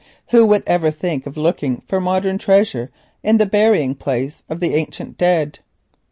Who would ever think of looking for modern treasure in the burying place of the ancient dead?